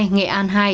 nghệ an hai